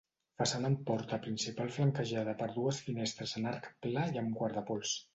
Façana amb porta principal flanquejada per dues finestres en arc pla i amb guardapols.